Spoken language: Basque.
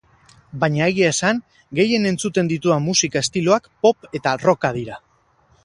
Baina egia esan gehien entzuten ditudan musika estiloak pop eta rocka dira.